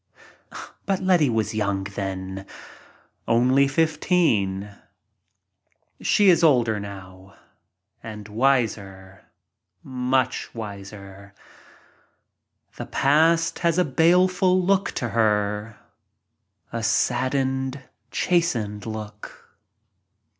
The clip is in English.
But Letty was young then — only fifteen. She is older now — and wiser— much wiser. The Past has a baleful look to her — a saddened, chastened look.